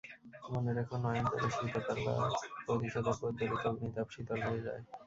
মনে রেখ, নয়ন জলের শীতলতায় প্রতিশোধের প্রজ্জ্বলিত অগ্নিতাপ শীতল হয়ে যায়।